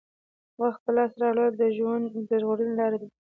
وخت په لاس راوړل د ژغورنې لاره ده.